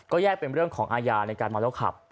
ก็แยกเป็นเรื่องของอาญาในการเมาแล้วขับ